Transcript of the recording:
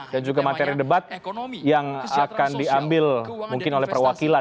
dan juga materi debat yang akan diambil mungkin oleh perwakilan